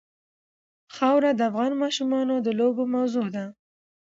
خاوره د افغان ماشومانو د لوبو موضوع ده.